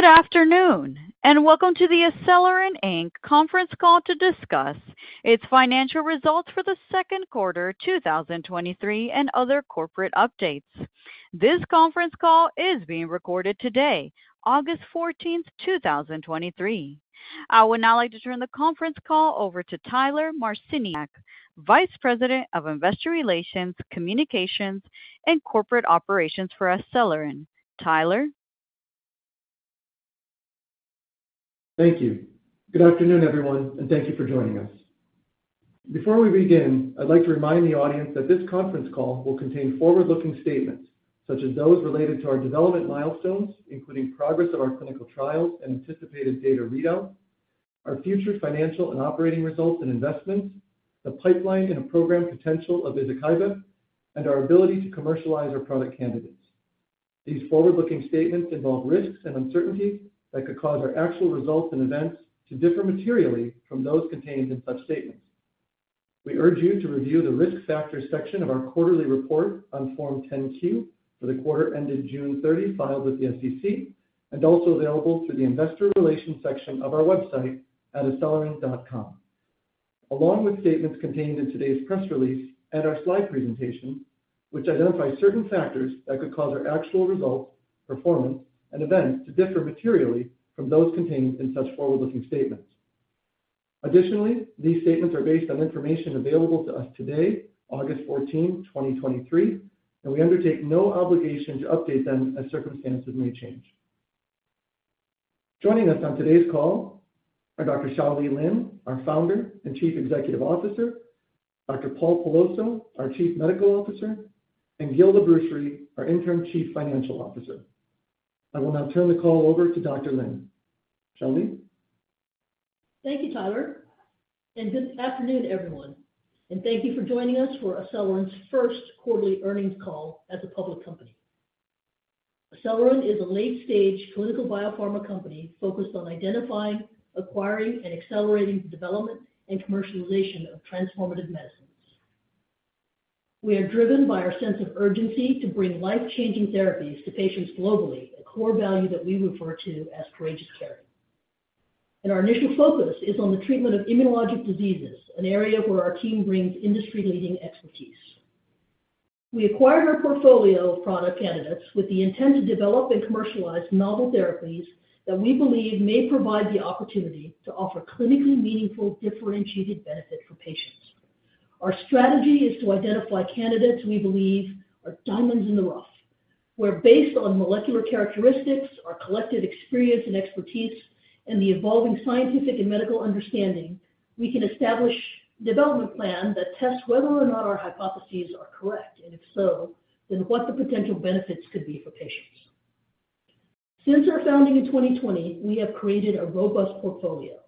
Good afternoon, welcome to the ACELYRIN, Inc. Conference Call to discuss its financial results for the second quarter, 2023, and other corporate updates. This conference call is being recorded today, August 14, 2023. I would now like to turn the conference call over to Tyler Marciniak, Vice President of Investor Relations, Communications, and Corporate Operations for ACELYRIN. Tyler? Thank you. Good afternoon, everyone, and thank you for joining us. Before we begin, I'd like to remind the audience that this conference call will contain forward-looking statements, such as those related to our development milestones, including progress of our clinical trials and anticipated data readout, our future financial and operating results and investments, the pipeline and program potential of izokibep, and our ability to commercialize our product candidates. These forward-looking statements involve risks and uncertainties that could cause our actual results and events to differ materially from those contained in such statements. We urge you to review the Risk Factors section of our quarterly report on Form 10-Q for the quarter ended June 30, filed with the SEC, and also available through the Investor Relations section of our website at acelyrin.com. Along with statements contained in today's press release and our slide presentation, which identify certain factors that could cause our actual results, performance, and events to differ materially from those contained in such forward-looking statements. Additionally, these statements are based on information available to us today, August 14, 2023, and we undertake no obligation to update them as circumstances may change. Joining us on today's call are Dr. Shao-Lee Lin, our Founder and Chief Executive Officer; Dr. Paul Peloso, our Chief Medical Officer; and Gil Labrucherie, our Interim Chief Financial Officer. I will now turn the call over to Dr. Lin. Shao-Lee? Thank you, Tyler, good afternoon, everyone, and thank you for joining us for ACELYRIN's first quarterly earnings call as a public company. ACELYRIN is a late-stage clinical biopharma company focused on identifying, acquiring, and accelerating the development and commercialization of transformative medicines. We are driven by our sense of urgency to bring life-changing therapies to patients globally, a core value that we refer to as courageous care. Our initial focus is on the treatment of immunologic diseases, an area where our team brings industry-leading expertise. We acquired our portfolio of product candidates with the intent to develop and commercialize novel therapies that we believe may provide the opportunity to offer clinically meaningful, differentiated benefit for patients. Our strategy is to identify candidates we believe are diamonds in the rough, where, based on molecular characteristics, our collective experience and expertise, and the evolving scientific and medical understanding, we can establish development plan that tests whether or not our hypotheses are correct. If so, then what the potential benefits could be for patients. Since our founding in 2020, we have created a robust portfolio.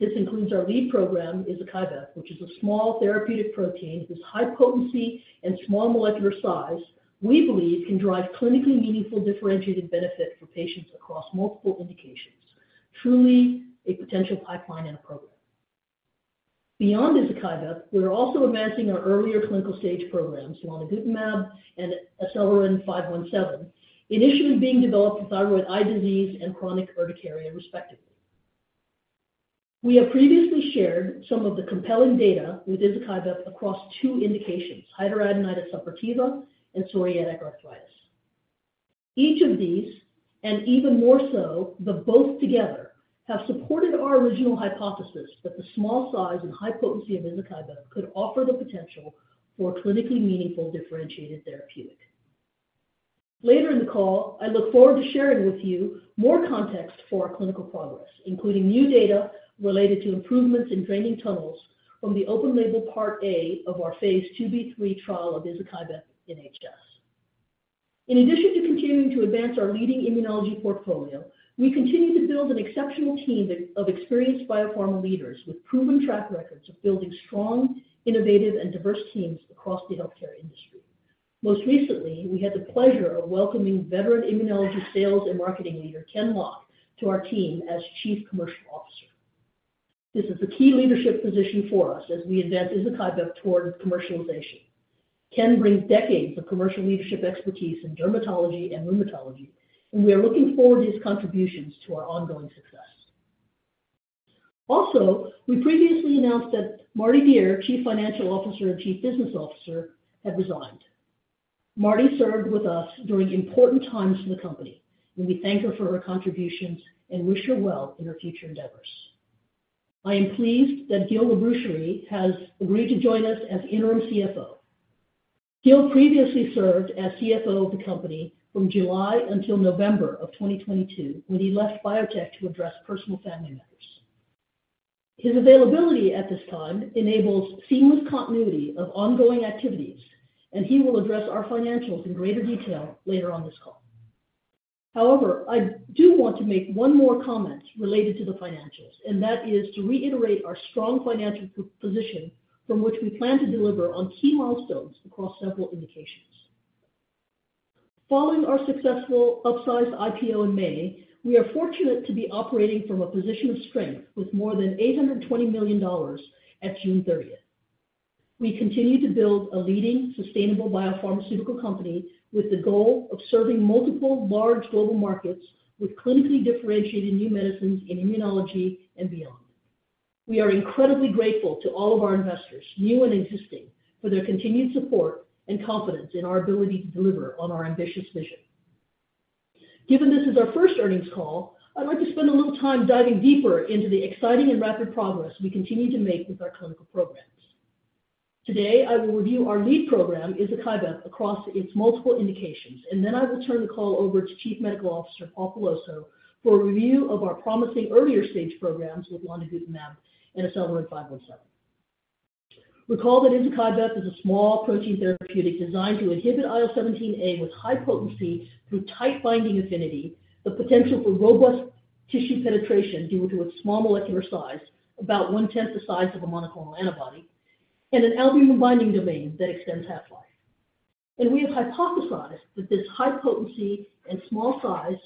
This includes our lead program, izokibep, which is a small therapeutic protein, whose high potency and small molecular size, we believe can drive clinically meaningful differentiated benefit for patients across multiple indications. Truly a potential pipeline in a program. Beyond izokibep, we are also advancing our earlier clinical stage programs, lonigutamab and SLRN-517, initially being developed for thyroid eye disease and chronic urticaria, respectively. We have previously shared some of the compelling data with izokibep across two indications, hidradenitis suppurativa and psoriatic arthritis. Each of these, and even more so, the both together, have supported our original hypothesis that the small size and high potency of izokibep could offer the potential for clinically meaningful differentiated therapeutic. Later in the call, I look forward to sharing with you more context for our clinical progress, including new data related to improvements in draining tunnels from the open label part A of our phase II-B/III trial of izokibep in HS. In addition to continuing to advance our leading immunology portfolio, we continue to build an exceptional team of experienced biopharma leaders with proven track records of building strong, innovative, and diverse teams across the healthcare industry. Most recently, we had the pleasure of welcoming veteran immunology sales and marketing leader, Ken Locke, to our team as Chief Commercial Officer. This is a key leadership position for us as we advance izokibep toward commercialization. Ken brings decades of commercial leadership expertise in dermatology and rheumatology, and we are looking forward to his contributions to our ongoing success. Also, we previously announced that Marti Bier, Chief Financial Officer and Chief Business Officer, had resigned. Marti served with us during important times for the company, and we thank her for her contributions and wish her well in her future endeavors. I am pleased that Gil Labrucherie has agreed to join us as interim CFO. Gil previously served as CFO of the company from July until November of 2022, when he left biotech to address personal family matters. His availability at this time enables seamless continuity of ongoing activities, and he will address our financials in greater detail later on this call. However, I do want to make one more comment related to the financials, and that is to reiterate our strong financial position from which we plan to deliver on key milestones across several indications. Following our successful upsized IPO in May, we are fortunate to be operating from a position of strength with more than $820 million at June 30th. We continue to build a leading sustainable biopharmaceutical company with the goal of serving multiple large global markets with clinically differentiated new medicines in immunology and beyond. We are incredibly grateful to all of our investors, new and existing, for their continued support and confidence in our ability to deliver on our ambitious vision. Given this is our first earnings call, I'd like to spend a little time diving deeper into the exciting and rapid progress we continue to make with our clinical programs. Today, I will review our lead program, izokibep, across its multiple indications, and then I will turn the call over to Chief Medical Officer, Paul Peloso, for a review of our promising earlier-stage programs with lonigutamab and SLRN-517. Recall that izokibep is a small protein therapeutic designed to inhibit IL-17A with high potency through tight binding affinity, the potential for robust tissue penetration due to its small molecular size, about one-tenth the size of a monoclonal antibody, and an albumin binding domain that extends half-life. We have hypothesized that this high potency and small size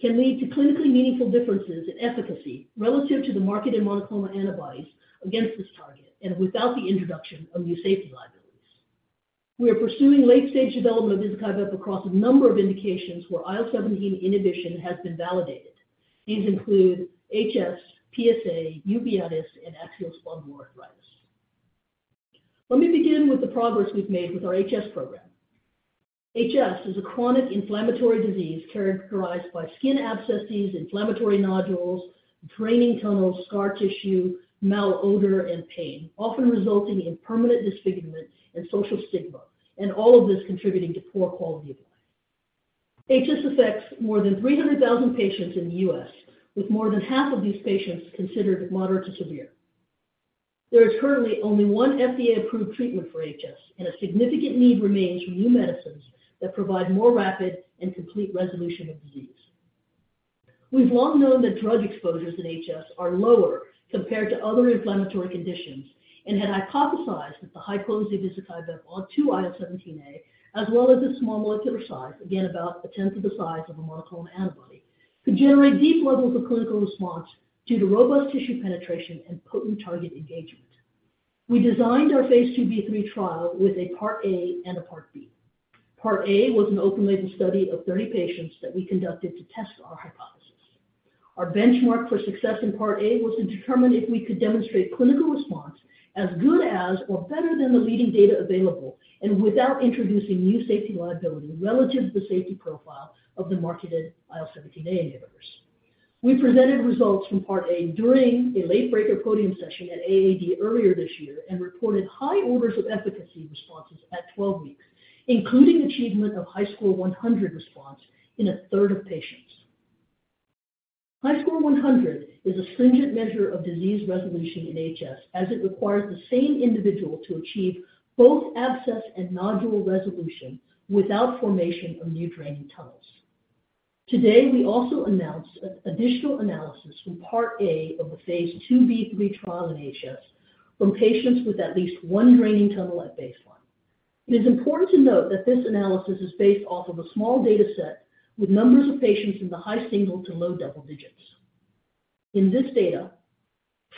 can lead to clinically meaningful differences in efficacy relative to the marketed monoclonal antibodies against this target, and without the introduction of new safety liabilities. We are pursuing late-stage development of izokibep across a number of indications where IL-17 inhibition has been validated. These include HS, PsA, uveitis, and axial spondyloarthritis. Let me begin with the progress we've made with our HS program. HS is a chronic inflammatory disease characterized by skin abscesses, inflammatory nodules, draining tunnels, scar tissue, malodor, and pain, often resulting in permanent disfigurement and social stigma, and all of this contributing to poor quality of life. HS affects more than 300,000 patients in the US, with more than half of these patients considered moderate to severe. There is currently only one FDA-approved treatment for HS, a significant need remains for new medicines that provide more rapid and complete resolution of disease. We've long known that drug exposures in HS are lower compared to other inflammatory conditions and had hypothesized that the high potency of izokibep on two IL-17A, as well as the small molecular size, again, about a tenth of the size of a monoclonal antibody, could generate deep levels of clinical response due to robust tissue penetration and potent target engagement. We designed our Phase II-B/III trial with a Part A and a Part B. Part A was an open-label study of 30 patients that we conducted to test our hypothesis. Our benchmark for success in Part A was to determine if we could demonstrate clinical response as good as, or better than the leading data available, and without introducing new safety liability relative to the safety profile of the marketed IL-17A inhibitors. We presented results from Part A during a late-breaker podium session at AAD earlier this year and reported high orders of efficacy responses at 12 weeks, including achievement of HiSCR100 response in a third of patients. HiSCR100 is a stringent measure of disease resolution in HS, as it requires the same individual to achieve both abscess and nodule resolution without formation of new draining tunnels. Today, we also announced an additional analysis from Part A of the Phase II-B/III trial in HS from patients with at least one draining tunnel at baseline/ It is important to note that this analysis is based off of a small data set with numbers of patients in the high single to low double digits. In this data,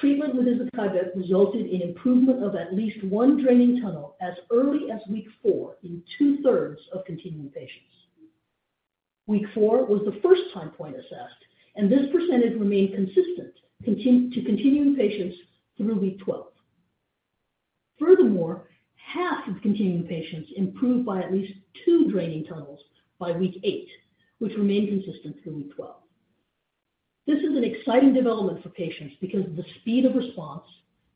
treatment with izokibep resulted in improvement of at least one draining tunnel as early as week four in 2/3 of continuing patients. Week four was the first time point assessed, and this percentage remained consistent to continuing patients through week 12. Furthermore, half of the continuing patients improved by at least two draining tunnels by week eight, which remained consistent through week 12. This is an exciting development for patients because of the speed of response,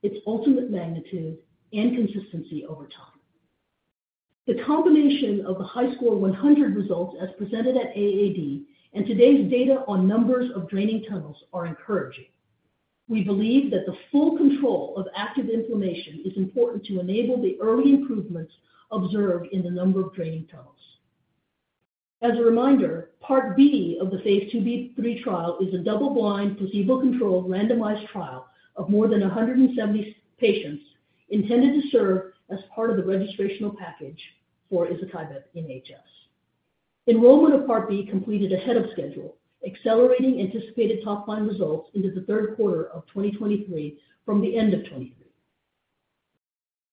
its ultimate magnitude, and consistency over time. The combination of the high SCORE 100 results as presented at AAD and today's data on numbers of draining tunnels are encouraging. We believe that the full control of active inflammation is important to enable the early improvements observed in the number of draining tunnels. As a reminder, Part B of the Phase II-B/III trial is a double-blind, placebo-controlled, randomized trial of more than 170 patients intended to serve as part of the registrational package for izokibep in HS. Enrollment of Part B completed ahead of schedule, accelerating anticipated top-line results into the third quarter of 2023 from the end of 2023.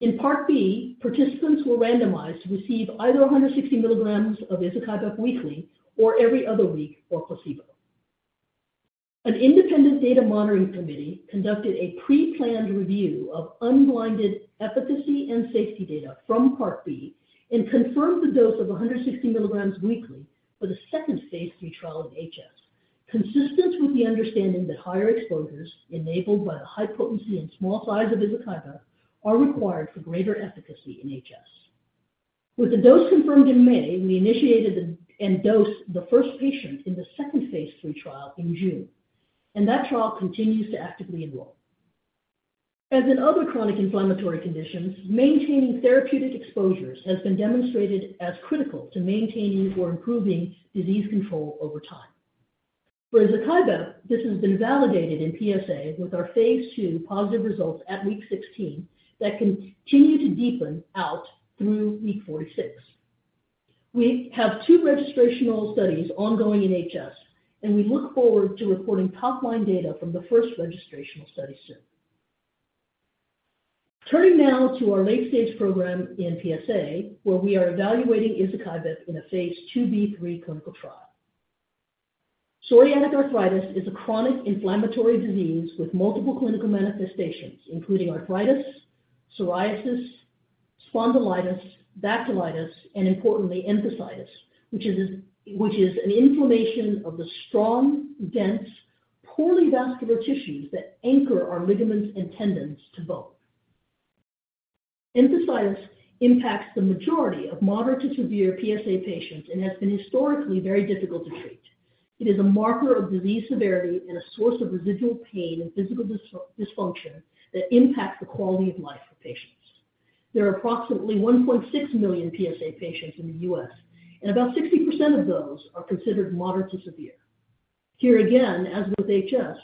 In Part B, participants were randomized to receive either 160 milligrams of izokibep weekly or every other week or placebo. An independent data monitoring committee conducted a pre-planned review of unblinded efficacy and safety data from Part B and confirmed the dose of 160 milligrams weekly for the second phase III trial in HS, consistent with the understanding that higher exposures enabled by the high potency and small size of izokibep are required for greater efficacy in HS. With the dose confirmed in May, we initiated and dosed the first patient in the second phase III trial in June. That trial continues to actively enroll. As in other chronic inflammatory conditions, maintaining therapeutic exposures has been demonstrated as critical to maintaining or improving disease control over time. For izokibep, this has been validated in PSA with our phase II positive results at week 16, that continue to deepen out through week 46. We have two registrational studies ongoing in HS, and we look forward to reporting top-line data from the first registrational study soon. Turning now to our late-stage program in PSA, where we are evaluating izokibep in a Phase II-B/III clinical trial. Psoriatic arthritis is a chronic inflammatory disease with multiple clinical manifestations, including arthritis, psoriasis, spondylitis, dactylitis, and importantly, enthesitis, which is an inflammation of the strong, dense, poorly vascular tissues that anchor our ligaments and tendons to bone. Enthesitis impacts the majority of moderate to severe PSA patients and has been historically very difficult to treat. It is a marker of disease severity and a source of residual pain and physical dysfunction that impact the quality of life for patients. There are approximately 1.6 million PSA patients in the US, and about 60% of those are considered moderate to severe. Here again, as with HS,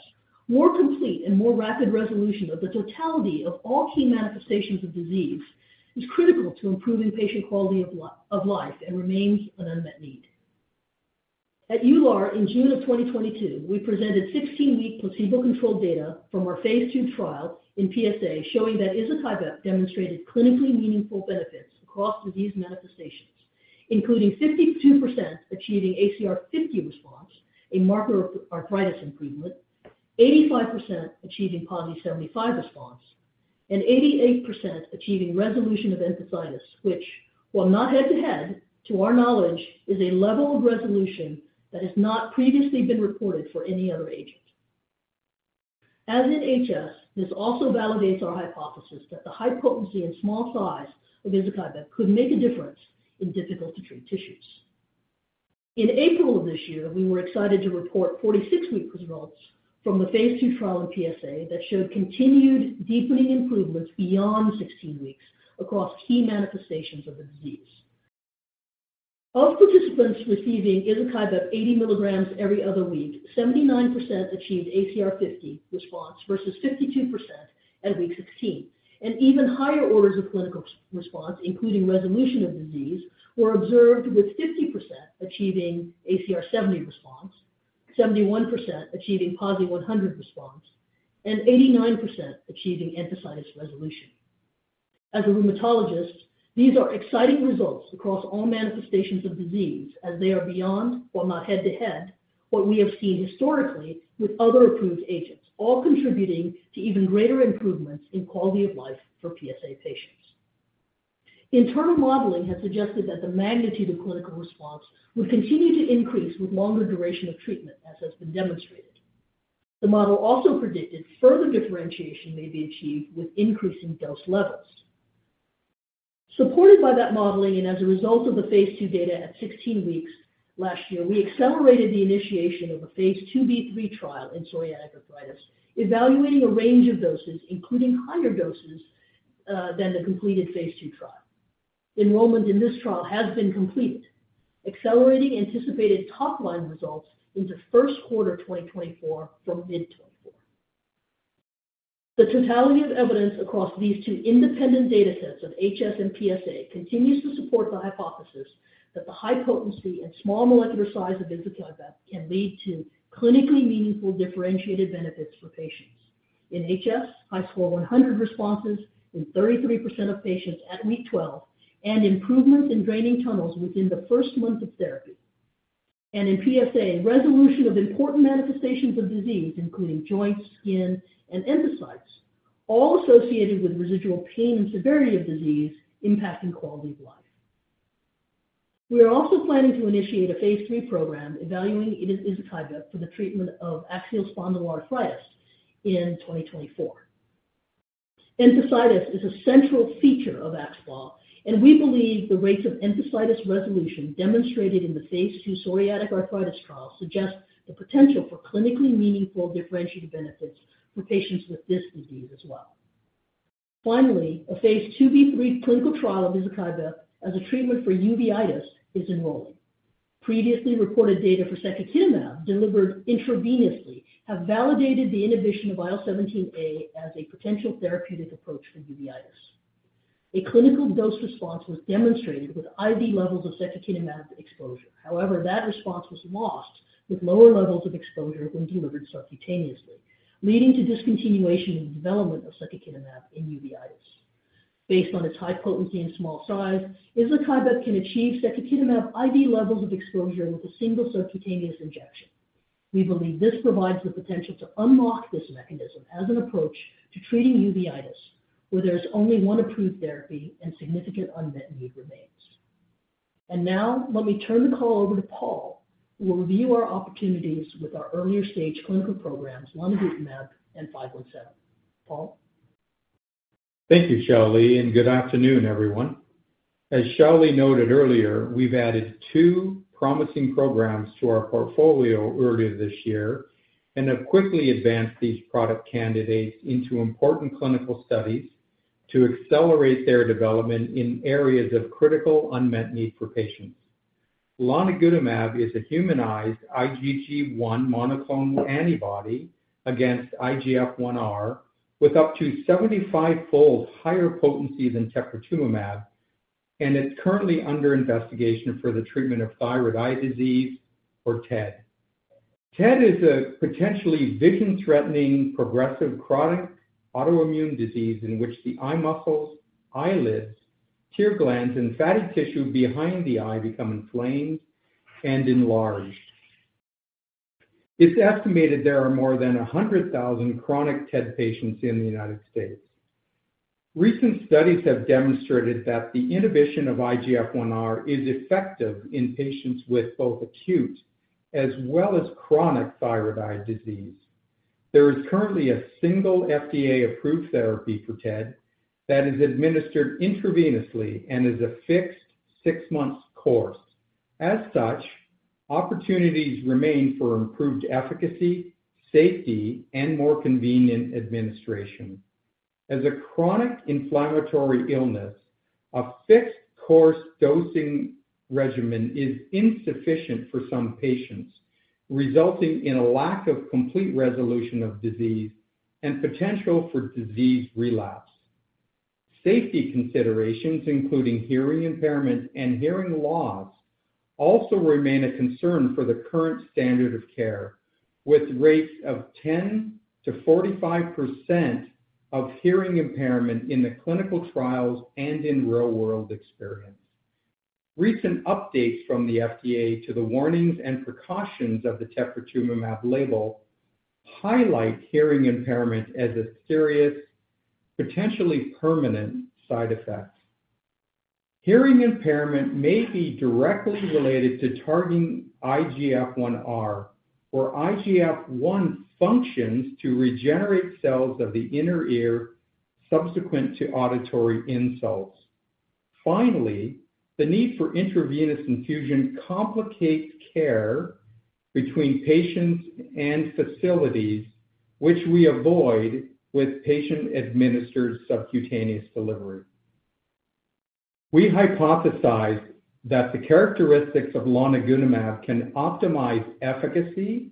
more complete and more rapid resolution of the totality of all key manifestations of disease is critical to improving patient quality of life and remains an unmet need. At EULAR in June of 2022, we presented 16-week placebo-controlled data from our phase II trial in PSA, showing that izokibep demonstrated clinically meaningful benefits across disease manifestations, including 52% achieving ACR50 response, a marker of arthritis improvement, 85% achieving PASI 75 response, and 88% achieving resolution of enthesitis. Which, while not head-to-head, to our knowledge, is a level of resolution that has not previously been reported for any other agent. As in HS, this also validates our hypothesis that the high potency and small size of izokibep could make a difference in difficult-to-treat tissues. In April of this year, we were excited to report 46-week results from the phase II trial in PSA that showed continued deepening improvements beyond 16 weeks across key manifestations of the disease. Of participants receiving izokibep 80 milligrams every other week, 79% achieved ACR50 response versus 52% at week 16. Even higher orders of clinical response, including resolution of disease, were observed, with 50% achieving ACR70 response, 71% achieving PASI 100 response, and 89% achieving enthesitis resolution. As a rheumatologist, these are exciting results across all manifestations of disease, as they are beyond, while not head-to-head, what we have seen historically with other approved agents, all contributing to even greater improvements in quality of life for PSA patients. Internal modeling has suggested that the magnitude of clinical response would continue to increase with longer duration of treatment, as has been demonstrated. The model also predicted further differentiation may be achieved with increasing dose levels. Supported by that modeling and as a result of the phase two data at 16 weeks last year, we accelerated the initiation of a Phase II-B/III trial in psoriatic arthritis, evaluating a range of doses, including higher doses than the completed phase II trial. Enrollment in this trial has been completed, accelerating anticipated top-line results into first quarter 2024 from mid-2024. The totality of evidence across these two independent datasets of HS and PSA continues to support the hypothesis that the high potency and small molecular size of izokibep can lead to clinically meaningful differentiated benefits for patients. In HS, HiSCR100 responses in 33% of patients at week 12 and improvement in draining tunnels within the 1st month of therapy. In PSA, resolution of important manifestations of disease, including joints, skin, and enthesitis, all associated with residual pain and severity of disease impacting quality of life. We are also planning to initiate a phase program evaluating izokibep for the treatment of axial spondyloarthritis in 2024. Enthesitis is a central feature of AxSpA, and we believe the rates of enthesitis resolution demonstrated in the phase II psoriatic arthritis trial suggest the potential for clinically meaningful differentiated benefits for patients with this disease as well. Finally, a phase II-B/III clinical trial of izokibep as a treatment for uveitis is enrolling. Previously reported data for secukinumab, delivered intravenously, have validated the inhibition of IL-17A as a potential therapeutic approach for uveitis. A clinical dose response was demonstrated with IV levels of secukinumab exposure. However, that response was lost with lower levels of exposure when delivered subcutaneously, leading to discontinuation and development of secukinumab in uveitis. Based on its high potency and small size, izokibep can achieve secukinumab IV levels of exposure with a single subcutaneous injection. We believe this provides the potential to unlock this mechanism as an approach to treating uveitis, where there is only one approved therapy and significant unmet need remains. Now let me turn the call over to Paul, who will review our opportunities with our earlier-stage clinical programs, lonigutamab and 517. Paul? Thank you, Shao-Lee, and good afternoon, everyone. As Shao-Lee noted earlier, we've added two promising programs to our portfolio earlier this year and have quickly advanced these product candidates into important clinical studies to accelerate their development in areas of critical unmet need for patients. lonigutamab is a humanized IgG1 monoclonal antibody against IGF-1R, with up to 75-fold higher potency than teprotumumab. It's currently under investigation for the treatment of thyroid eye disease or TED. TED is a potentially vision-threatening, progressive, chronic autoimmune disease in which the eye muscles, eyelids, tear glands, and fatty tissue behind the eye become inflamed and enlarged. It's estimated there are more than 100,000 chronic TED patients in the United States. Recent studies have demonstrated that the inhibition of IGF-1R is effective in patients with both acute as well as chronic thyroid eye disease. There is currently a single FDA-approved therapy for TED, that is administered intravenously and is a fixed 6-months course. As such, opportunities remain for improved efficacy, safety, and more convenient administration. As a chronic inflammatory illness, a fixed-course dosing regimen is insufficient for some patients, resulting in a lack of complete resolution of disease and potential for disease relapse. Safety considerations, including hearing impairment and hearing loss, also remain a concern for the current standard of care, with rates of 10%-45% of hearing impairment in the clinical trials and in real-world experience. Recent updates from the FDA to the warnings and precautions of the teprotumumab label highlight hearing impairment as a serious, potentially permanent side effect. Hearing impairment may be directly related to targeting IGF-1R, where IGF-1 functions to regenerate cells of the inner ear subsequent to auditory insults. The need for intravenous infusion complicates care between patients and facilities, which we avoid with patient-administered subcutaneous delivery. We hypothesize that the characteristics of lonigutamab can optimize efficacy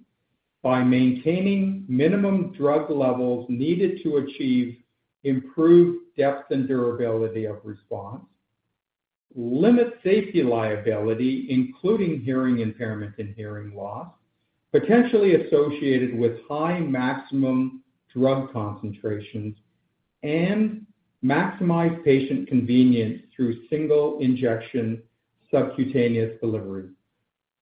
by maintaining minimum drug levels needed to achieve improved depth and durability of response, limit safety liability, including hearing impairment and hearing loss, potentially associated with high maximum drug concentrations, and maximize patient convenience through single injection subcutaneous delivery.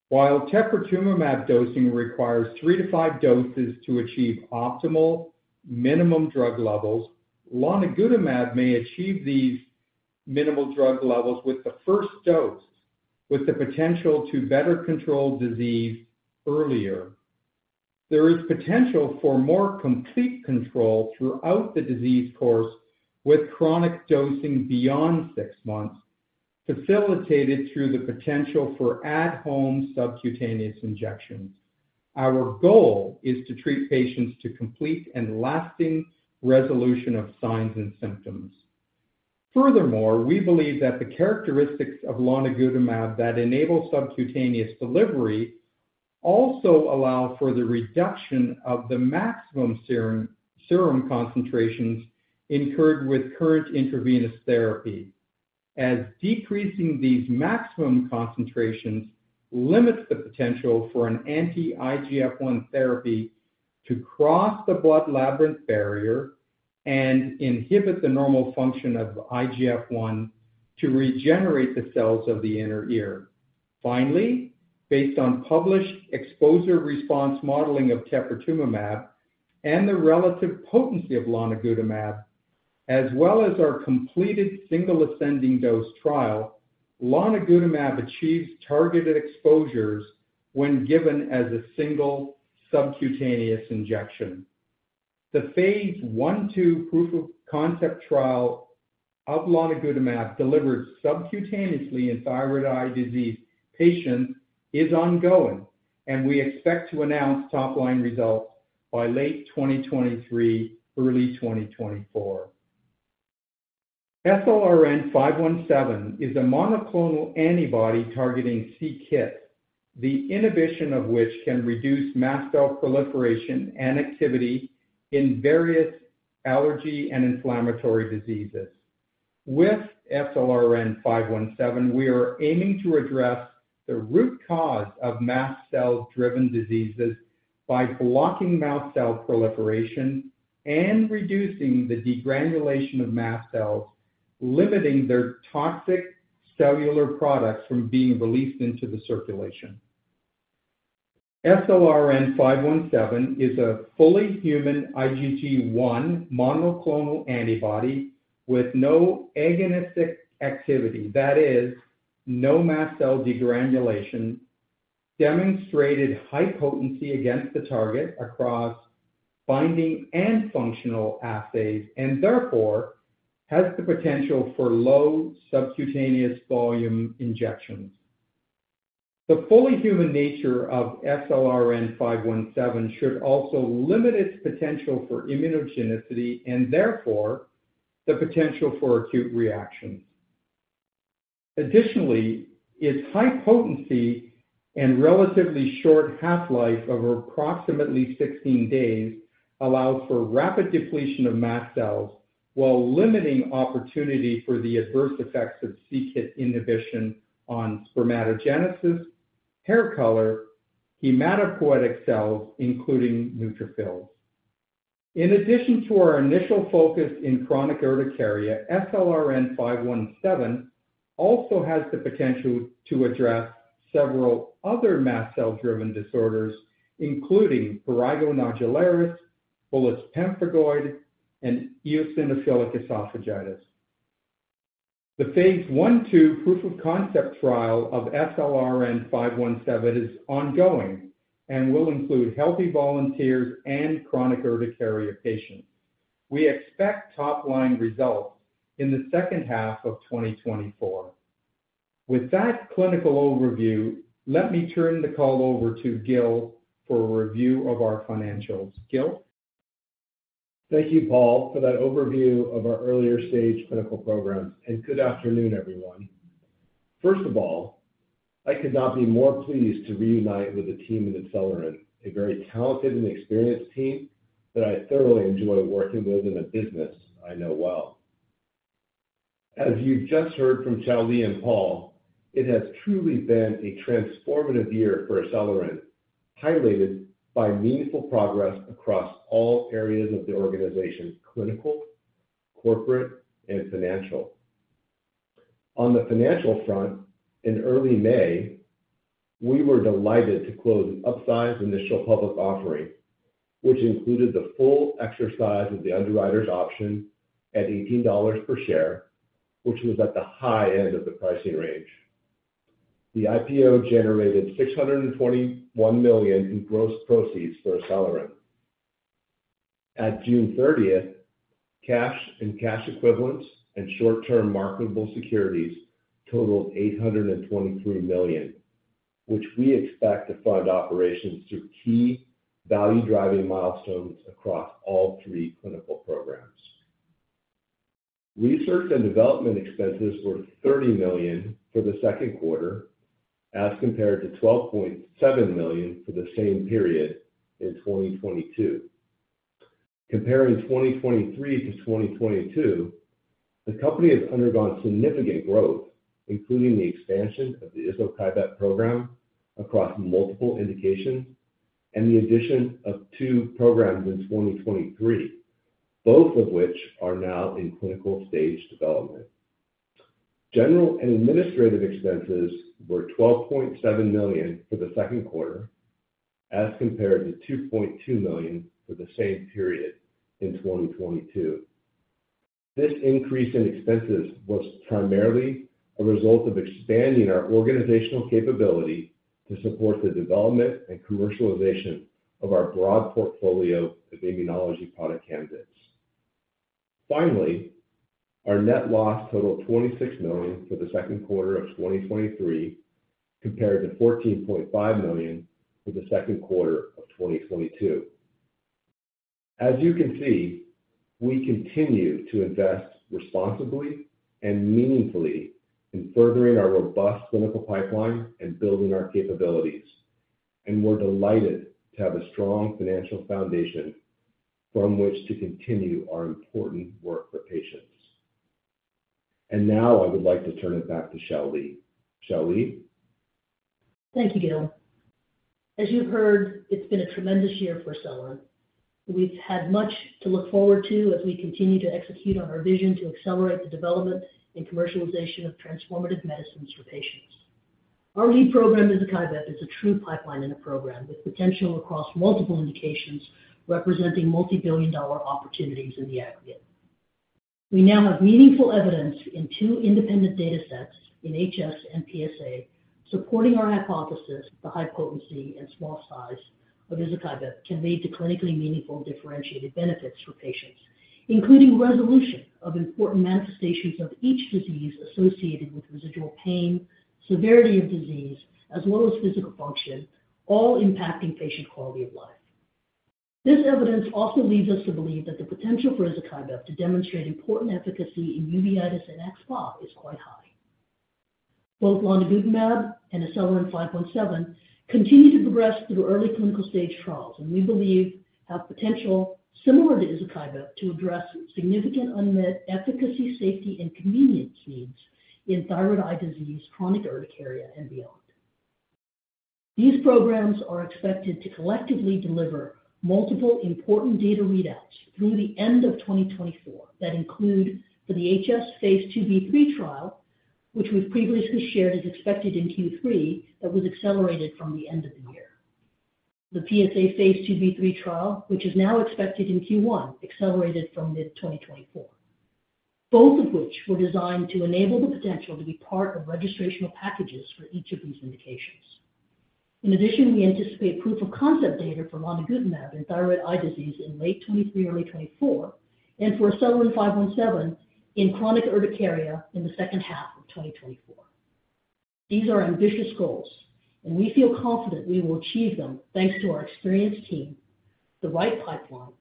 While teprotumumab dosing requires three to five doses to achieve optimal minimum drug levels, lonigutamab may achieve these minimal drug levels with the first dose, with the potential to better control disease earlier. There is potential for more complete control throughout the disease course with chronic dosing beyond six months, facilitated through the potential for at-home subcutaneous injections. Our goal is to treat patients to complete and lasting resolution of signs and symptoms. Furthermore, we believe that the characteristics of lonigutamab that enable subcutaneous delivery also allow for the reduction of the maximum serum, serum concentrations incurred with current intravenous therapy, as decreasing these maximum concentrations limits the potential for an anti-IGF-1 therapy to cross the blood-labyrinth barrier and inhibit the normal function of IGF-1 to regenerate the cells of the inner ear. Finally, based on published exposure response modeling of teprotumumab and the relative potency of lonigutamab, as well as our completed single ascending dose trial, lonigutamab achieves targeted exposures when given as a single subcutaneous injection. The phase I/II proof of concept trial of lonigutamab, delivered subcutaneously in thyroid eye disease patients, is ongoing, and we expect to announce top-line results by late 2023, early 2024. SLRN-517 is a monoclonal antibody targeting c-Kit, the inhibition of which can reduce mast cell proliferation and activity in various allergy and inflammatory diseases. With SLRN-517, we are aiming to address the root cause of mast cell-driven diseases by blocking mast cell proliferation and reducing the degranulation of mast cells, limiting their toxic cellular products from being released into the circulation. SLRN-517 is a fully human IgG1 monoclonal antibody with no agonistic activity, that is, no mast cell degranulation, demonstrated high potency against the target across binding and functional assays, and therefore, has the potential for low subcutaneous volume injections. The fully human nature of SLRN-517 should also limit its potential for immunogenicity and therefore, the potential for acute reactions. Additionally, its high potency and relatively short half-life of approximately 16 days allows for rapid depletion of mast cells, while limiting opportunity for the adverse effects of c-Kit inhibition on spermatogenesis, hair color, hematopoietic cells, including neutrophils. In addition to our initial focus in chronic urticaria, SLRN-517 also has the potential to address several other mast cell-driven disorders, including prurigo nodularis, bullous pemphigoid, and eosinophilic esophagitis. The phase 1/2 proof-of-concept trial of SLRN-517 is ongoing and will include healthy volunteers and chronic urticaria patients. We expect top-line results in the second half of 2024. With that clinical overview, let me turn the call over to Gil for a review of our financials. Gil? Thank you, Paul, for that overview of our earlier-stage clinical programs. Good afternoon, everyone. First of all, I could not be more pleased to reunite with the team at ACELYRIN, a very talented and experienced team that I thoroughly enjoy working with in a business I know well. As you've just heard from Shao-Lee and Paul, it has truly been a transformative year for ACELYRIN, highlighted by meaningful progress across all areas of the organization, clinical, corporate, and financial. The financial front, in early May, we were delighted to close an upsized IPO, which included the full exercise of the underwriter's option at $18 per share, which was at the high end of the pricing range. The IPO generated $621 million in gross proceeds for ACELYRIN. At June thirtieth, cash and cash equivalents and short-term marketable securities totaled $823 million, which we expect to fund operations through key value-driving milestones across all three clinical programs. Research and development expenses were $30 million for the second quarter, as compared to $12.7 million for the same period in 2022. Comparing 2023 to 2022, the company has undergone significant growth, including the expansion of the izokibep program across multiple indications and the addition of two programs in 2023, both of which are now in clinical-stage development. General and administrative expenses were $12.7 million for the second quarter, as compared to $2.2 million for the same period in 2022. This increase in expenses was primarily a result of expanding our organizational capability to support the development and commercialization of our broad portfolio of immunology product candidates. Finally, our net loss totaled $26 million for the second quarter of 2023, compared to $14.5 million for the second quarter of 2022. As you can see, we continue to invest responsibly and meaningfully in furthering our robust clinical pipeline and building our capabilities. We're delighted to have a strong financial foundation from which to continue our important work for patients. Now I would like to turn it back to Shao-Lee. Shao-Lee? Thank you, Gil. As you've heard, it's been a tremendous year for ACELYRIN. We've had much to look forward to as we continue to execute on our vision to accelerate the development and commercialization of transformative medicines for patients. Our lead program, izokibep, is a true pipeline in a program with potential across multiple indications, representing multibillion-dollar opportunities in the aggregate. We now have meaningful evidence in two independent datasets in HS and PsA, supporting our hypothesis, the high potency and small size of izokibep can lead to clinically meaningful differentiated benefits for patients, including resolution of important manifestations of each disease associated with residual pain, severity of disease, as well as physical function, all impacting patient quality of life. This evidence also leads us to believe that the potential for izokibep to demonstrate important efficacy in uveitis and AxSpA is quite high. Both lonigutamab and SLRN-517 continue to progress through early clinical stage trials, and we believe have potential similar to izokibep, to address significant unmet efficacy, safety, and convenience needs in thyroid eye disease, chronic urticaria, and beyond. These programs are expected to collectively deliver multiple important data readouts through the end of 2024. That include for the HS phase II-B/III trial, which was previously shared, is expected in Q3, but was accelerated from the end of the year. The PsA phase II-B/III trial, which is now expected in Q1, accelerated from mid-2024. Both of which were designed to enable the potential to be part of registrational packages for each of these indications. In addition, we anticipate proof-of-concept data for lonigutamab in thyroid eye disease in late 2023, early 2024, and for SLRN-517 in chronic urticaria in the second half of 2024.... These are ambitious goals, and we feel confident we will achieve them, thanks to our experienced team, the right pipeline,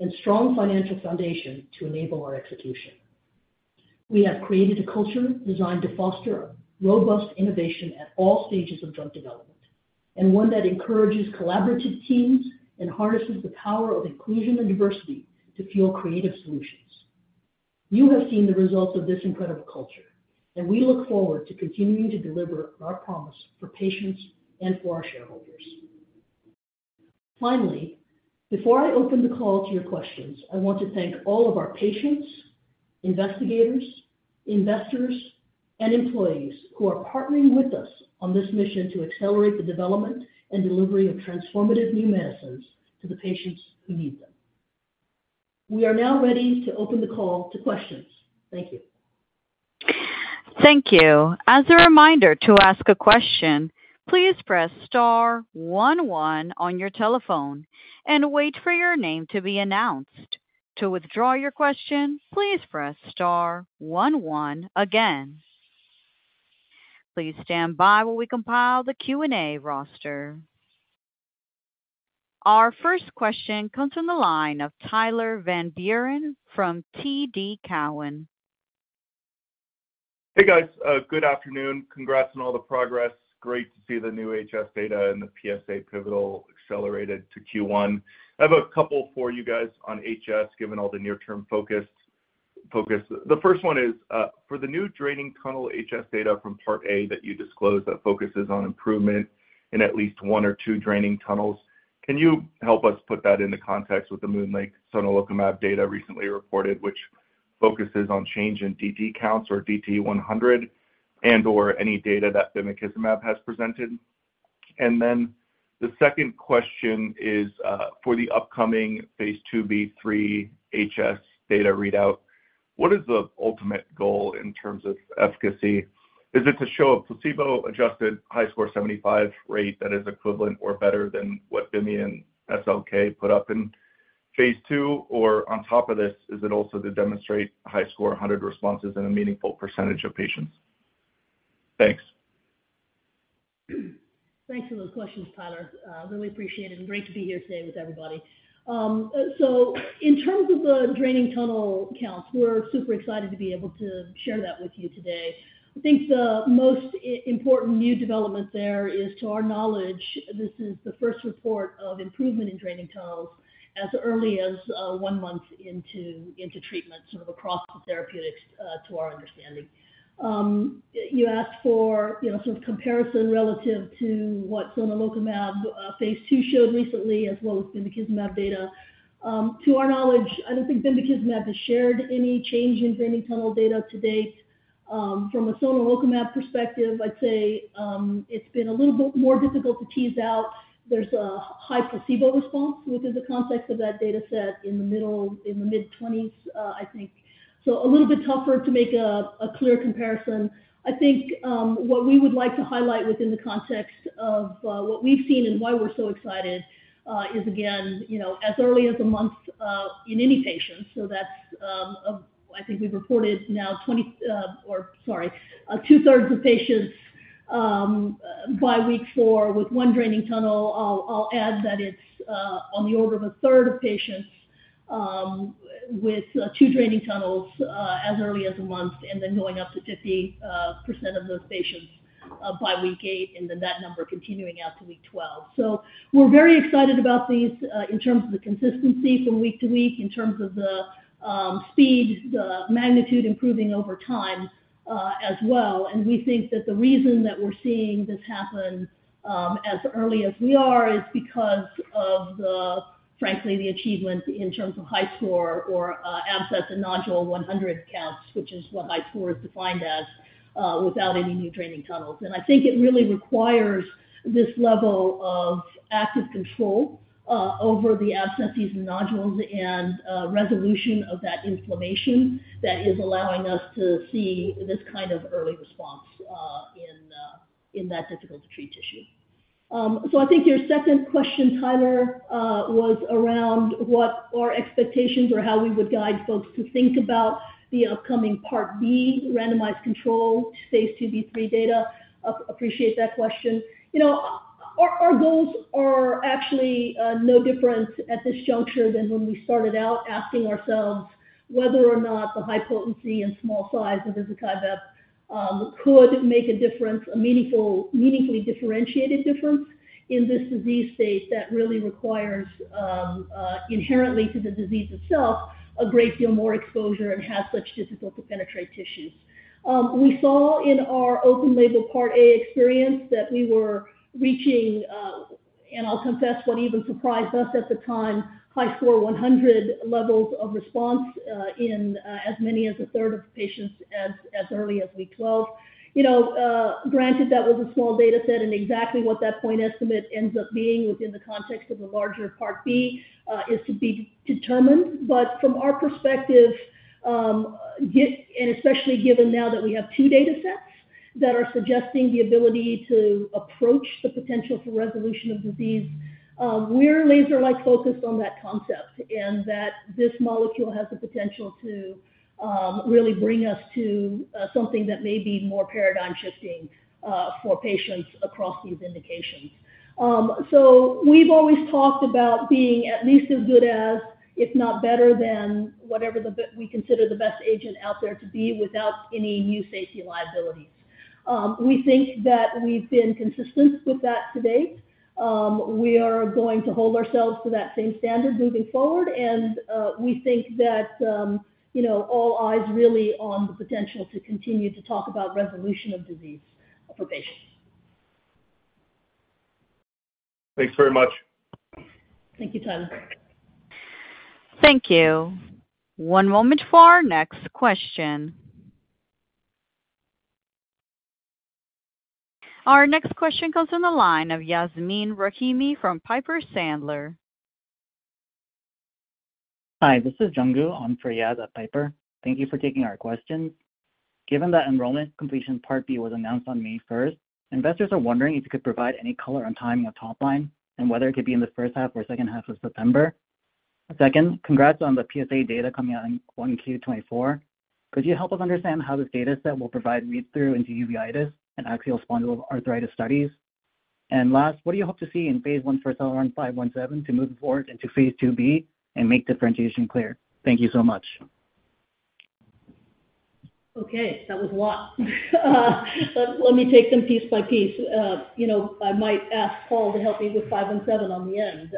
and strong financial foundation to enable our execution. We have created a culture designed to foster robust innovation at all stages of drug development, and one that encourages collaborative teams and harnesses the power of inclusion and diversity to fuel creative solutions. You have seen the results of this incredible culture, and we look forward to continuing to deliver on our promise for patients and for our shareholders. Finally, before I open the call to your questions, I want to thank all of our patients, investigators, investors, and employees who are partnering with us on this mission to accelerate the development and delivery of transformative new medicines to the patients who need them. We are now ready to open the call to questions. Thank you. Thank you. As a reminder, to ask a question, please press star one, one on your telephone and wait for your name to be announced. To withdraw your question, please press star one, one again. Please stand by while we compile the Q&A roster. Our first question comes from the line of Tyler Van Buren from TD Cowen. Hey, guys. Good afternoon. Congrats on all the progress. Great to see the new HS data and the PsA pivotal accelerated to Q1. I have a couple for you guys on HS, given all the near-term focus. The first one is for the new draining tunnel HS data from part A that you disclosed that focuses on improvement in at least one or two draining tunnels, can you help us put that into context with the MoonLake Immunotherapeutics sonelokimab data recently reported, which focuses on change in DT counts or DT100, and or any data that bimekizumab has presented? The second question is for the upcoming phase II-B/III HS data readout, what is the ultimate goal in terms of efficacy? Is it to show a placebo-adjusted HiSCR75 rate that is equivalent or better than what Bimekizumab and SLK put up in phase II? On top of this, is it also to demonstrate HiSCR100 responses in a meaningful % of patients? Thanks. Thanks for those questions, Tyler. Really appreciate it, and great to be here today with everybody. In terms of the draining tunnel counts, we're super excited to be able to share that with you today. I think the most important new development there is, to our knowledge, this is the first report of improvement in draining tunnels as early as one month into, into treatment, sort of across therapeutics, to our understanding. You asked for, you know, sort of comparison relative to what sonelokimab, phase II showed recently, as well as bimekizumab data. To our knowledge, I don't think bimekizumab has shared any change in draining tunnel data to date. From a sonelokimab perspective, I'd say, it's been a little bit more difficult to tease out. There's a high placebo response within the context of that data set in the middle, in the mid-20s, I think. A little bit tougher to make a clear comparison. I think, what we would like to highlight within the context of what we've seen and why we're so excited, is again, you know, as early as a month, in any patient. That's, I think we've reported now 20, or sorry, two-thirds of patients, by week four with one draining tunnel. I'll add that it's on the order of a third of patients, with two draining tunnels, as early as a month, and then going up to 50% of those patients, by week eight, and then that number continuing out to week 12. We're very excited about these, in terms of the consistency from week to week, in terms of the speed, the magnitude improving over time, as well. We think that the reason that we're seeing this happen, as early as we are, is because of the, frankly, the achievement in terms of HiSCR or, abscess and nodule 100 counts, which is what HiSCR is defined as, without any new draining tunnels. I think it really requires this level of active control, over the abscesses and nodules and, resolution of that inflammation that is allowing us to see this kind of early response, in the, in that difficult-to-treat tissue. I think your second question, Tyler, was around what our expectations or how we would guide folks to think about the upcoming part B randomized control Phase II-B/III data. Appreciate that question. You know, our goals are actually no different at this juncture than when we started out asking ourselves whether or not the high potency and small size of izokibep could make a difference, a meaningful, meaningfully differentiated difference in this disease state that really requires inherently to the disease itself, a great deal more exposure and has such difficulty to penetrate tissues. We saw in our open label Part A experience that we were reaching, and I'll confess, what even surprised us at the time, HiSCR100 levels of response, in as many as a third of patients as early as week 12. You know, granted, that was a small data set, and exactly what that point estimate ends up being within the context of the larger Part B, is to be determined. From our perspective, and especially given now that we have 2 data sets that are suggesting the ability to approach the potential for resolution of disease,... we're laser-like focused on that concept, and that this molecule has the potential to really bring us to something that may be more paradigm shifting for patients across these indications. We've always talked about being at least as good as, if not better than, whatever we consider the best agent out there to be without any new safety liabilities. We think that we've been consistent with that to date. We are going to hold ourselves to that same standard moving forward, and we think that, you know, all eyes really on the potential to continue to talk about resolution of disease for patients. Thanks very much. Thank you, Tyler. Thank you. One moment for our next question. Our next question comes from the line of Yasmin Rahimi from Piper Sandler. Hi, this is Jun Gu on for Yas at Piper. Thank you for taking our questions. Given that enrollment completion part B was announced on May 1, investors are wondering if you could provide any color on timing of top line and whether it could be in the first half or second half of September. Second, congrats on the PSA data coming out in Q1 2024. Could you help us understand how this data set will provide read-through into uveitis and axial spondyloarthritis studies? Last, what do you hope to see in Phase I for THELAN 517 to move forward into phase IIb and make differentiation clear? Thank you so much. Okay, that was a lot. Let me take them piece by piece. You know, I might ask Paul to help me with 517 on the end,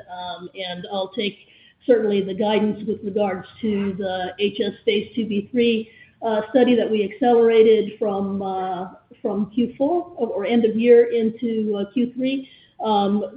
and I'll take certainly the guidance with regards to the HS Phase II-B/III study that we accelerated from Q4 or end of year into Q3.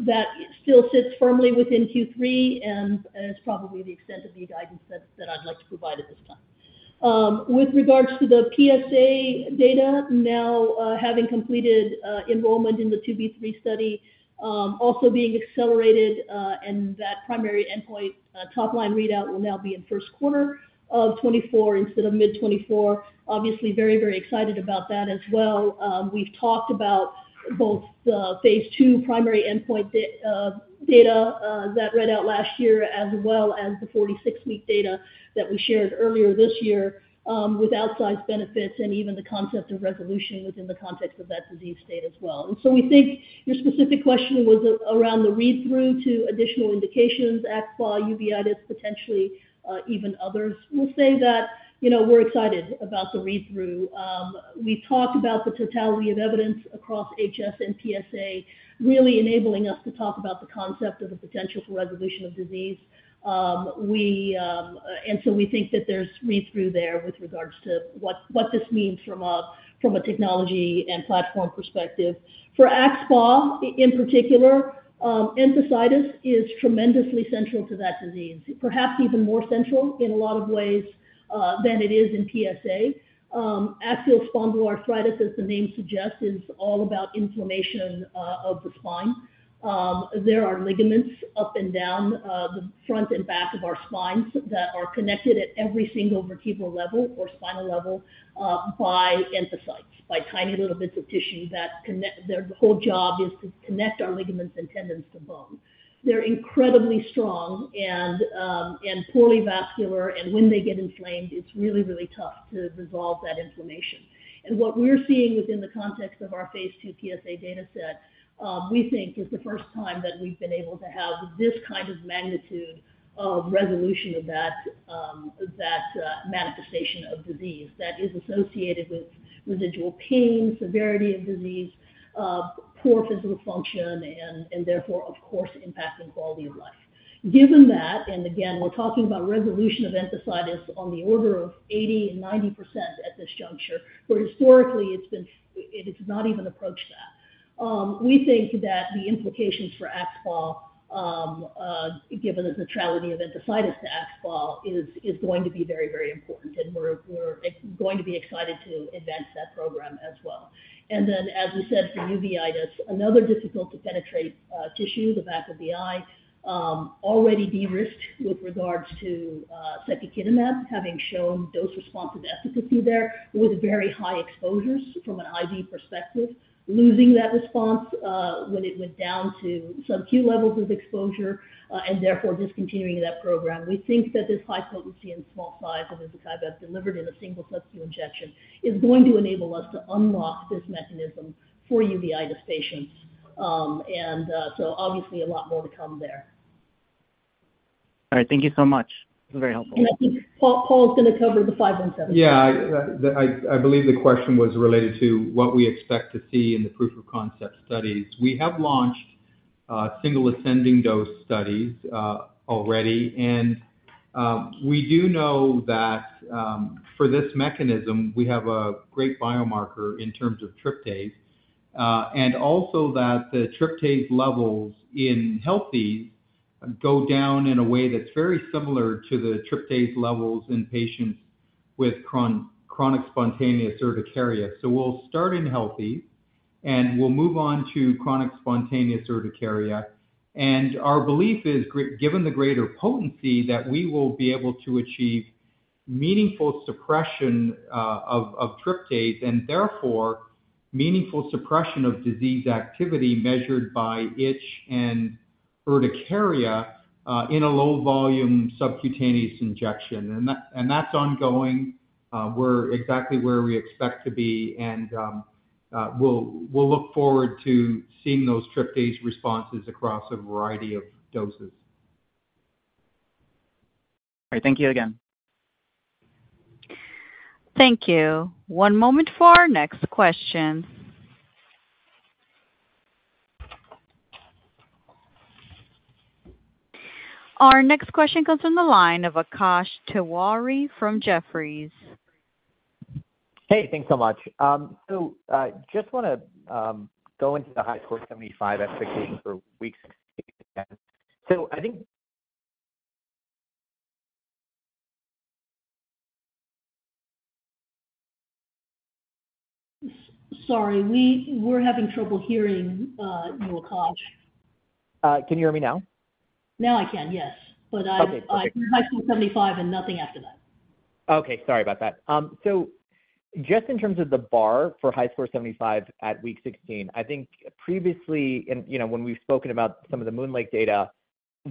That still sits firmly within Q3, and that's probably the extent of the guidance that I'd like to provide at this time. With regards to the PSA data, now having completed enrollment in the Phase II-B/III study, also being accelerated, and that primary endpoint top line readout will now be in Q1 2024 instead of mid-2024. Obviously, very, very excited about that as well. We've talked about both the phase II primary endpoint data that read out last year, as well as the 46 week data that we shared earlier this year, with outsized benefits and even the concept of resolution within the context of that disease state as well. So we think your specific question was around the read-through to additional indications, axSpA, uveitis, potentially even others. We'll say that, you know, we're excited about the read-through. We talked about the totality of evidence across HS and PSA, really enabling us to talk about the concept of a potential for resolution of disease. We, and so we think that there's read-through there with regards to what, what this means from a, from a technology and platform perspective. For axSpA, in particular, enthesitis is tremendously central to that disease, perhaps even more central in a lot of ways than it is in PSA. Axial spondyloarthritis, as the name suggests, is all about inflammation of the spine. There are ligaments up and down the front and back of our spines that are connected at every single vertebral level or spinal level by enthesites, by tiny little bits of tissue that connect. Their whole job is to connect our ligaments and tendons to bone. They're incredibly strong and poorly vascular, and when they get inflamed, it's really, really tough to resolve that inflammation. What we're seeing within the context of our phase II PSA data set, we think is the first time that we've been able to have this kind of magnitude of resolution of that, that manifestation of disease that is associated with residual pain, severity of disease, poor physical function, and, therefore, of course, impacting quality of life. Given that, and again, we're talking about resolution of enthesitis on the order of 80% and 90% at this juncture, where historically it's been, it has not even approached that. We think that the implications for AxSpA, given the neutrality of enthesitis to AxSpA, is, is going to be very, very important, and we're, we're going to be excited to advance that program as well. Then, as we said, for uveitis, another difficult to penetrate tissue, the back of the eye, already de-risked with regards to secukinumab, having shown dose-responsive efficacy there with very high exposures from an IV perspective, losing that response when it went down to subq levels of exposure, and therefore discontinuing that program. We think that this high potency and small size of the secukinumab delivered in a single subcu injection is going to enable us to unlock this mechanism for uveitis patients. Obviously a lot more to come there. All right. Thank you so much. Very helpful. I think Paul, Paul is going to cover the 517. Yeah, I believe the question was related to what we expect to see in the proof of concept studies. We have launched single ascending dose studies already, and we do know that for this mechanism, we have a great biomarker in terms of tryptase, and also that the tryptase levels in healthy go down in a way that's very similar to the tryptase levels in patients with chronic spontaneous urticaria. We'll start in healthy, and we'll move on to chronic spontaneous urticaria. Our belief is given the greater potency, that we will be able to achieve... meaningful suppression of tryptase and therefore meaningful suppression of disease activity measured by itch and urticaria, in a low volume subcutaneous injection. That's ongoing. We're exactly where we expect to be, and we'll look forward to seeing those tryptase responses across a variety of doses. All right. Thank you again. Thank you. One moment for our next question. Our next question comes from the line of Akash Tiwari from Jefferies. Hey, thanks so much. I just want to go into the HiSCR75 efficacy for week 16. Sorry, we're having trouble hearing, you, Akash. Can you hear me now? Now I can, yes. Okay. I hear HiSCR75 and nothing after that. Okay. Sorry about that. Just in terms of the bar for HiSCR75 at week 16, I think previously, and, you know, when we've spoken about some of the MoonLake Immunotherapeutics data,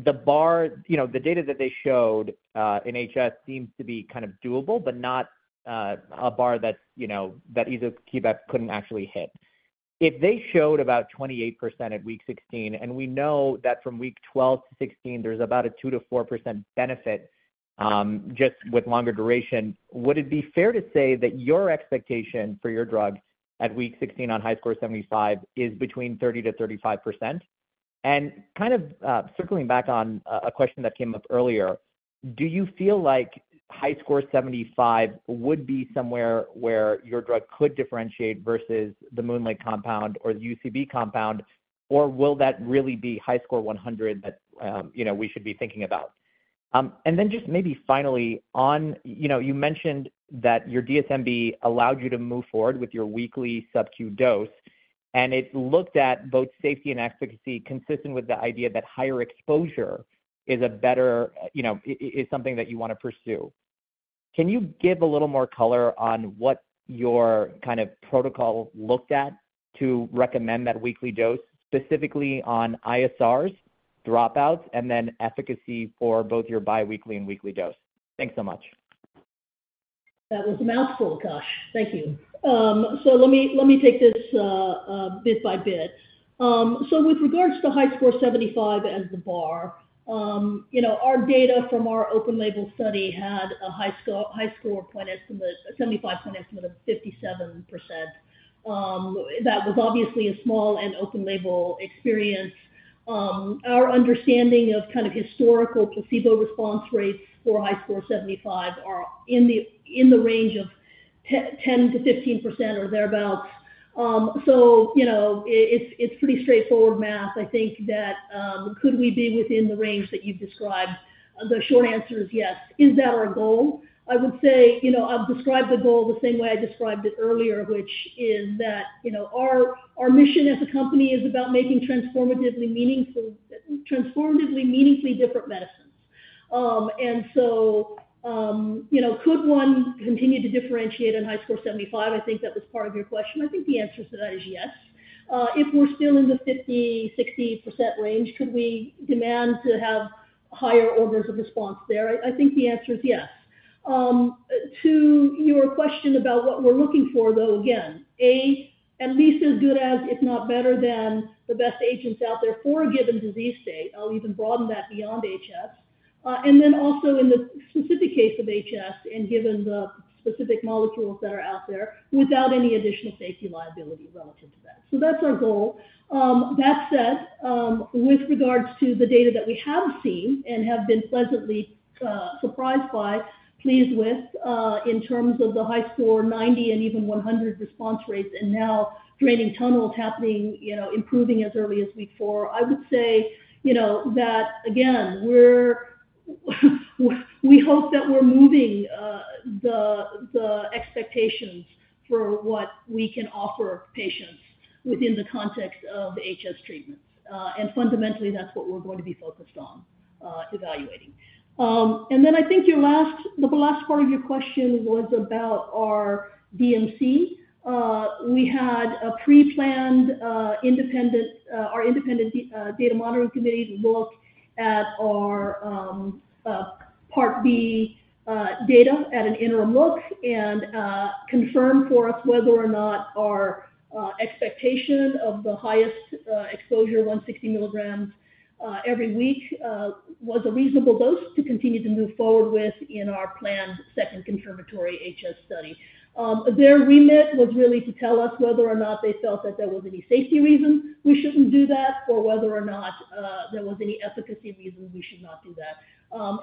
the bar, you know, the data that they showed in HS seems to be kind of doable, but not a bar that, you know, that either izokibep couldn't actually hit. If they showed about 28% at week 16, and we know that from week 12 to 16, there's about a 2%-4% benefit, just with longer duration, would it be fair to say that your expectation for your drug at week 16 on HiSCR75 is between 30%-35%? Kind of, circling back on a, a question that came up earlier, do you feel like HiSCR75 would be somewhere where your drug could differentiate versus the MoonLake Immunotherapeutics compound or the UCB compound, or will that really be HiSCR100 that, you know, we should be thinking about? Then just maybe finally, on, you know, you mentioned that your DSMB allowed you to move forward with your weekly subq dose, and it looked at both safety and efficacy consistent with the idea that higher exposure is a better, you know, is, is something that you want to pursue. Can you give a little more color on what your kind of protocol looked at to recommend that weekly dose, specifically on ISRs, dropouts, and then efficacy for both your biweekly and weekly dose? Thanks so much. That was a mouthful, Akash. Thank you. Let me, let me take this bit by bit. With regards to HiSCR75 as the bar, you know, our data from our open label study had a HiSCR, HiSCR point estimate, 75 point estimate of 57%. That was obviously a small and open label experience. Our understanding of kind of historical placebo response rates for HiSCR75 are in the, in the range of 10%-15% or thereabout. You know, it's, it's pretty straightforward math. I think that, could we be within the range that you've described? The short answer is yes. Is that our goal? I would say, you know, I've described the goal the same way I described it earlier, which is that, you know, our, our mission as a company is about making transformatively meaningful, transformatively meaningfully different medicines. You know, could one continue to differentiate on HiSCR75? I think that was part of your question. I think the answer to that is yes. If we're still in the 50%-60% range, could we demand to have higher orders of response there? I think the answer is yes. To your question about what we're looking for, though, again, at least as good as, if not better than, the best agents out there for a given disease state. I'll even broaden that beyond HS. Also in the specific case of HS, and given the specific molecules that are out there without any additional safety liability relative to that. That's our goal. That said, with regards to the data that we have seen and have been pleasantly surprised by, pleased with, in terms of the HiSCR90 and even 100 response rates, and now draining tunnels happening, you know, improving as early as week 4, I would say, you know, that again, we're, we hope that we're moving the expectations for what we can offer patients within the context of HS treatments. Fundamentally, that's what we're going to be focused on evaluating. I think your last, the last part of your question was about our DMC. Did our independent data monitoring committee look at our part B data at an interim look and confirm for us whether or not our expectation of the highest exposure, 160 milligrams every week, was a reasonable dose to continue to move forward with in our planned second confirmatory HS study. Their remit was really to tell us whether or not they felt that there was any safety reason we shouldn't do that, or whether or not there was any efficacy reason we should not do that.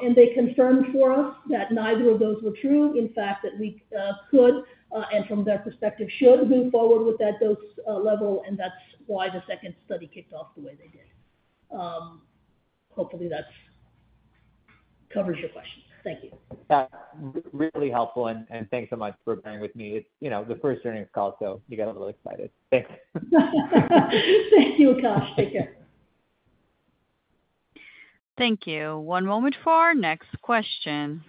And they confirmed for us that neither of those were true, in fact, that we could, and from their perspective, should move forward with that dose level, and that's why the second study kicked off the way they did Hopefully, that's covers your question. Thank you. Yeah, really helpful, and thanks so much for bearing with me. It's, you know, the first earnings call, you got a little excited. Thanks. Thank you, Akash. Take care. Thank you. One moment for our next question.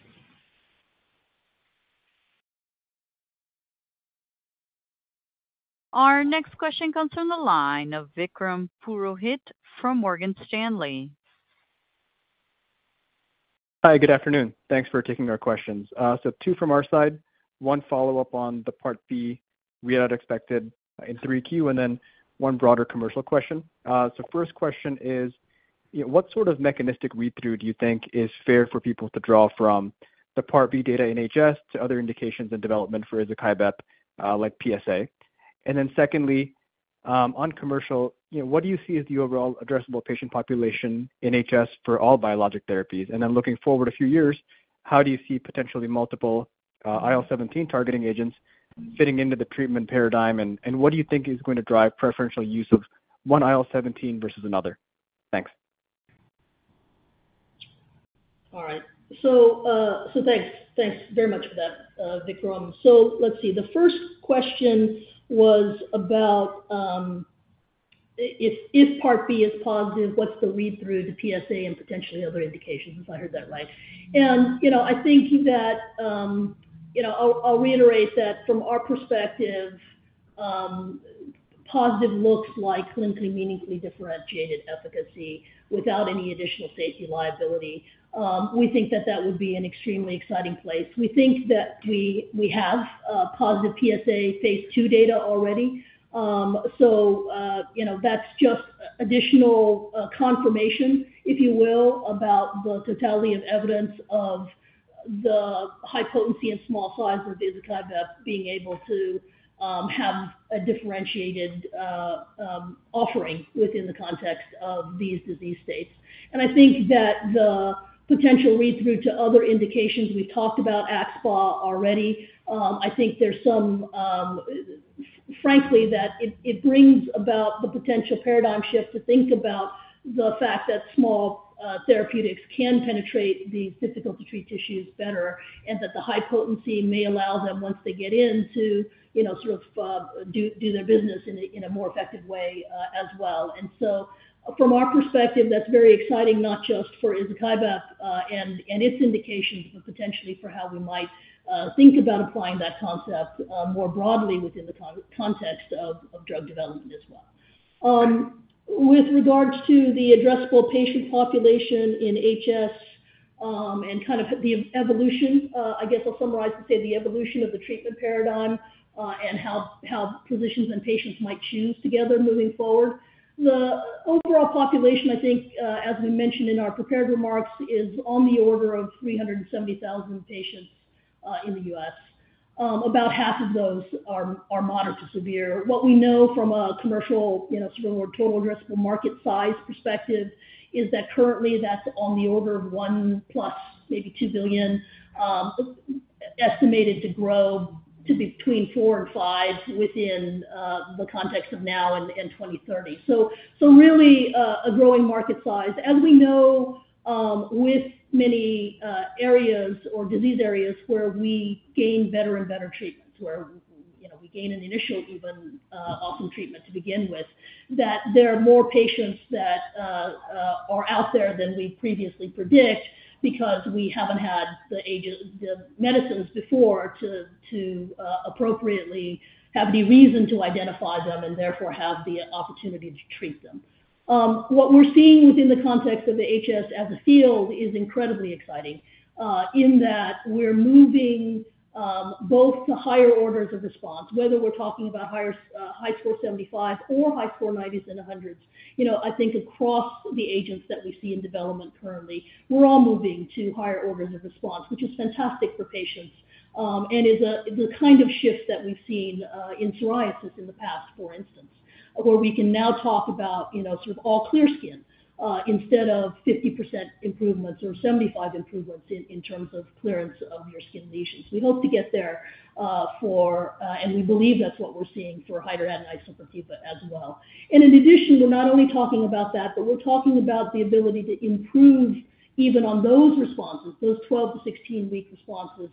Our next question comes from the line of Vikram Purohit from Morgan Stanley. Hi, good afternoon. Thanks for taking our questions. Two from our side. One follow-up on the Part B we had expected in 3Q, one broader commercial question. First question is, what sort of mechanistic read-through do you think is fair for people to draw from the Part B data in HS to other indications and development for izokibep, like PSA? Secondly, on commercial, what do you see as the overall addressable patient population in HS for all biologic therapies? Looking forward a few years, how do you see potentially multiple IL-17 targeting agents fitting into the treatment paradigm, and what do you think is going to drive preferential use of one IL-17 versus another? Thanks. All right. Thanks. Thanks very much for that, Vikram. Let's see. The first question was about if Part B is positive, what's the read-through to PSA and potentially other indications, if I heard that right? You know, I think that, you know, I'll, I'll reiterate that from our perspective, positive looks like clinically meaningfully differentiated efficacy without any additional safety liability. We think that that would be an extremely exciting place. We think that we, we have positive PSA phase II data already. You know, that's just additional confirmation, if you will, about the totality of evidence of the high potency and small size of izokibep being able to have a differentiated offering within the context of these disease states. I think that the potential read-through to other indications, we talked about AxSpA already. I think there's some, frankly, that it, it brings about the potential paradigm shift to think about the fact that small therapeutics can penetrate these difficult-to-treat tissues better, and that the high potency may allow them, once they get in, to, you know, sort of, do, do their business in a, in a more effective way, as well. From our perspective, that's very exciting, not just for izokibep, and, and its indications, but potentially for how we might think about applying that concept more broadly within the context of, of drug development as well. With regards to the addressable patient population in HS, and kind of the evolution, I guess I'll summarize to say the evolution of the treatment paradigm, and how, how physicians and patients might choose together moving forward. The overall population, I think, as we mentioned in our prepared remarks, is on the order of 370,000 patients in the US. About half of those are, are moderate to severe. What we know from a commercial, you know, sort of a total addressable market size perspective is that currently that's on the order of $1 plus, maybe $2 billion, estimated to grow to between $4 billion and $5 billion within the context of now and 2030. So really, a growing market size. As we know, with many areas or disease areas where we gain better and better treatments, where, you know, we gain an initial, even, awesome treatment to begin with, that there are more patients that are out there than we previously predict because we haven't had the agent, the medicines before to appropriately have any reason to identify them and therefore have the opportunity to treat them. What we're seeing within the context of the HS as a field is incredibly exciting, in that we're moving both to higher orders of response, whether we're talking about higher HiSCR75 or HiSCR90s and 100s. You know, I think across the agents that we see in development currently, we're all moving to higher orders of response, which is fantastic for patients. Is a, the kind of shift that we've seen, in psoriasis in the past, for instance, where we can now talk about, you know, sort of all clear skin, instead of 50% improvements or 75 improvements in, in terms of clearance of your skin lesions. We hope to get there, for, and we believe that's what we're seeing for hidradenitis suppurativa as well. In addition, we're not only talking about that, but we're talking about the ability to improve even on those responses, those 12 to 16 week responses,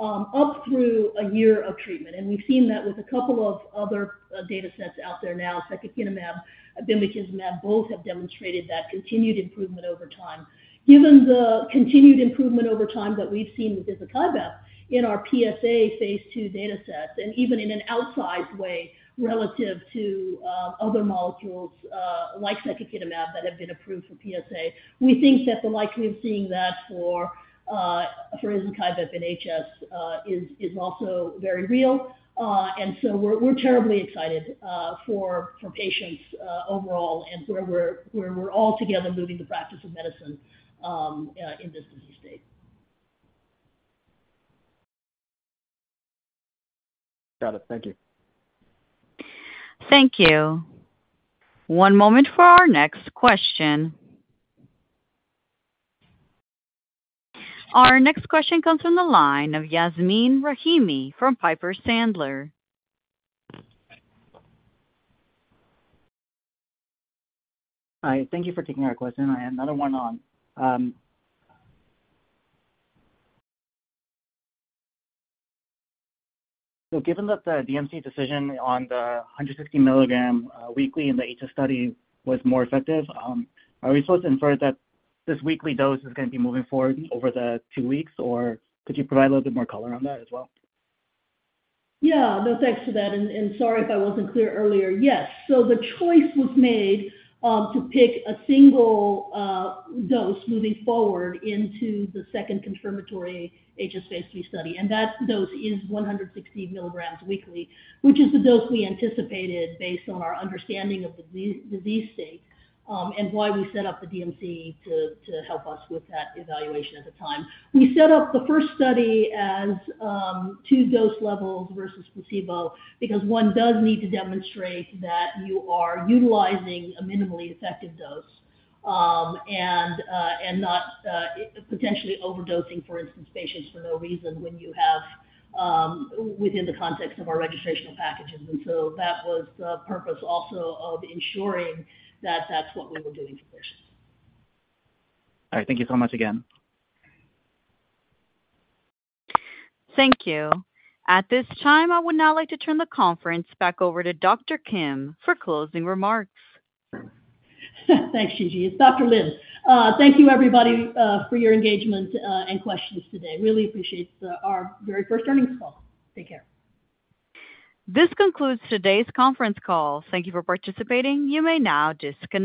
up through a year of treatment. We've seen that with a couple of other data sets out there now, secukinumab, bimekizumab, both have demonstrated that continued improvement over time. Given the continued improvement over time that we've seen with izokibep in our PSA phase II data sets, and even in an outsized way relative to other molecules, like secukinumab, that have been approved for PSA, we think that the likelihood of seeing that for for izokibep in HS, is, is also very real. So we're, we're terribly excited for for patients overall, and where we're, where we're all together moving the practice of medicine in this disease state. Got it. Thank you. Thank you. One moment for our next question. Our next question comes from the line of Yasmin Rahimi from Piper Sandler. Hi, thank you for taking our question. I have another one on. Given that the DMC decision on the 160 milligram weekly in the HS study was more effective, are we supposed to infer that this weekly dose is going to be moving forward over the two weeks, or could you provide a little bit more color on that as well? Yeah, no, Thanks for that, and sorry if I wasn't clear earlier. Yes. The choice was made to pick a single dose moving forward into the second confirmatory HS phase III study, and that dose is 160 milligrams weekly, which is the dose we anticipated based on our understanding of the disease state, and why we set up the DMC to help us with that evaluation at the time. We set up the first study as, two dose levels versus placebo, because one does need to demonstrate that you are utilizing a minimally effective dose, and not potentially overdosing, for instance, patients for no reason when you have, within the context of our registrational packages. So that was the purpose also of ensuring that that's what we were doing for patients. All right. Thank you so much again. Thank you. At this time, I would now like to turn the conference back over to Dr. Lin for closing remarks. Thanks, Gigi. It's Dr. Lin. Thank you, everybody, for your engagement, and questions today. Really appreciate our very first earnings call. Take care. This concludes today's conference call. Thank you for participating. You may now disconnect.